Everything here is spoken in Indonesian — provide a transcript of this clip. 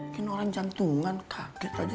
mungkin orang jantungan kaget aja